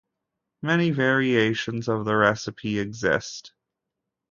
Many variations of the recipe exist.